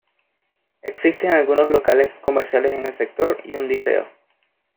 Existen algunos locales comerciales en el sector y un liceo.